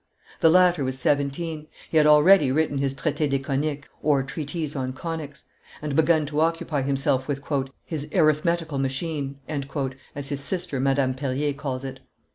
The latter was seventeen; he had already written his Traite des Coniques (Treatise on Conics) and begun to occupy himself with "his arithmetical machine," as his sister, Madame Perier calls it.